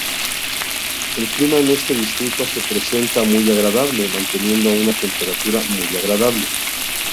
El clima en este distrito se presenta muy agradable, manteniendo una temperatura muy agradable.